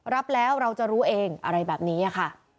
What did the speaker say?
รับแล้วเราจะรู้เองอะไรแบบนี้ค่ะ